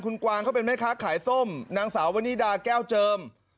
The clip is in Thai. คุณกวางเขาเป็นแม่ค้าขายส้มนางสาววนิดาแก้วเจิม